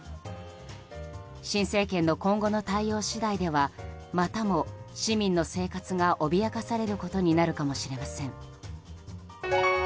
新政権の今後の対応次第ではまたも市民の生活が脅かされることになるかもしれません。